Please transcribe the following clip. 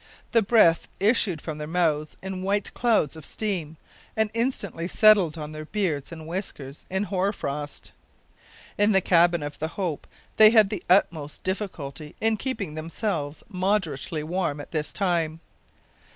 The breath issued from their mouths in white clouds of steam and instantly settled on their beards and whiskers in hoar frost. In the cabin of the Hope they had the utmost difficulty in keeping themselves moderately warm at this time.